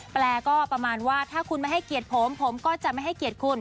แปลก็ประมาณว่าถ้าคุณไม่ให้เกียรติผมผมก็จะไม่ให้เกียรติคุณ